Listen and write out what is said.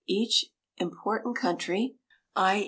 Each important country, _i.